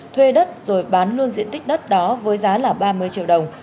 thuê đất rồi bán luôn diện tích đất đó với giá là ba mươi triệu đồng